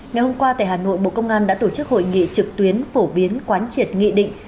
ngày hôm qua tại hà nội bộ công an đã tổ chức hội nghị trực tuyến phổ biến quán triệt nghị định